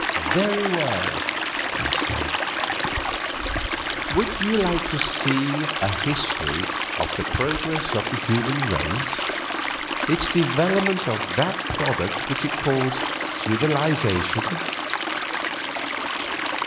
"Very well," he said; "would you like to see a history of the progress of the human race? its development of that product which it calls civilization?"